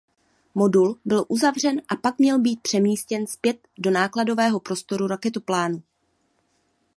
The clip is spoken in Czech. Modul byl uzavřen a pak měl být přemístěn zpět do nákladového prostoru raketoplánu.